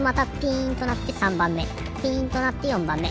ピンとなって４ばんめ。